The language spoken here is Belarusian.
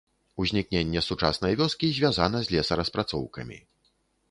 Узнікненне сучаснай вёскі звязана з лесараспрацоўкамі.